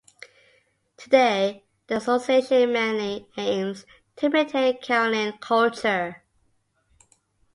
Today, the association mainly aims to maintain Karelian culture.